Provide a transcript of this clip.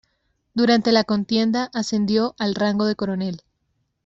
Durante la contienda ascendió al rango de coronel.